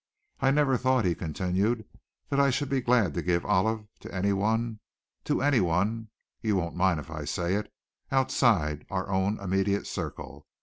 "I never thought," he continued, "that I should be glad to give Olive to anyone to anyone you won't mind if I say it outside our own immediate circle.